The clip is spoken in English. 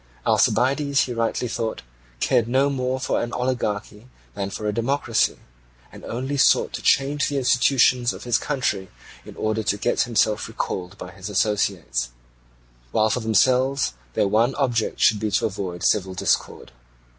Alcibiades, he rightly thought, cared no more for an oligarchy than for a democracy, and only sought to change the institutions of his country in order to get himself recalled by his associates; while for themselves their one object should be to avoid civil discord.